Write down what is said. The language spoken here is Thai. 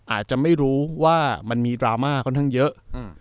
อาจจะไม่รู้ว่ามันมีดราม่าค่อนข้างเยอะ